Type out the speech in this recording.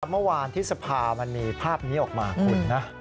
เมื่อวานที่สภามันมีภาพนี้ออกมาคุณนะ